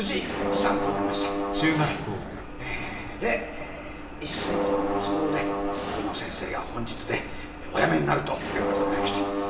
はいえでっ一身上の都合で宇野先生が本日でお辞めになるという事になりました。